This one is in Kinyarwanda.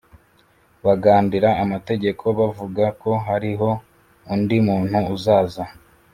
Bagandira amategeko bavuga ko hariho undi muntu uzaza